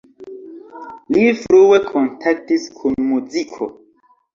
Li frue kontaktis kun muziko.